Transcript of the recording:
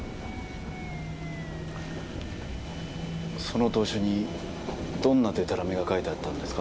その投書にどんなデタラメが書いてあったんですか？